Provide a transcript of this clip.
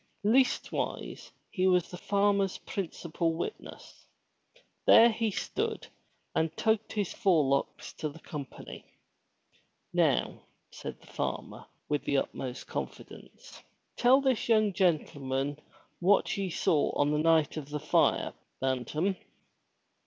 Leastwise, he was the farmer's principal witness. There he stood and tugged his forelocks to the company. "Now," said the farmer, with the utmost confidence. '*Tell this young gentleman what ye saw on the night of the fire. Bantam.'